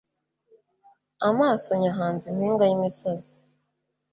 Amaso nyahanze impinga y’imisozi